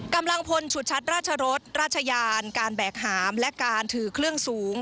กำลังพลฉุดชัดราชรสราชยานการแบกหามและการถือเครื่องสูง